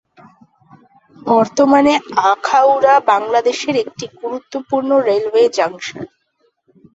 বর্তমানে আখাউড়া বাংলাদেশের একটি গুরুত্বপূর্ণ রেলওয়ে জংশন।